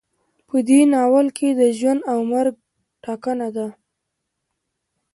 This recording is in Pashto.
په دې ناول کې د ژوند او مرګ ټاکنه ده.